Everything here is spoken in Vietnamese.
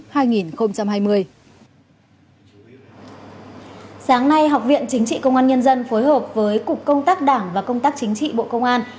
sáng nay học viện chính trị công an nhân dân phối hợp với cục công tác đảng và công tác chính trị bộ công an